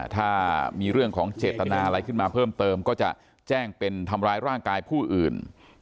ถ้ามีเรื่องของเจตนาอะไรขึ้นมาเพิ่มเติมก็จะแจ้งเป็นทำร้ายร่างกายผู้อื่น